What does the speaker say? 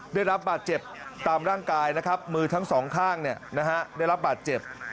ได้รับบาดเจ็บตามร่างกายมือทั้ง๒ข้างนะฮะได้รับบาดเจ็บ